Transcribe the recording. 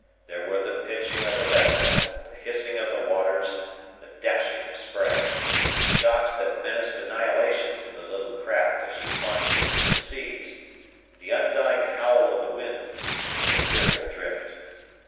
There were the pitching of the vessel, the hissing of the waters, the dashing of spray, the shocks that menaced annihilation to the little craft as she plunged into the seas, the undying howl of the wind, and the fearful drift.